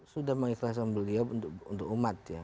sudah mengikhlaskan beliau untuk umat ya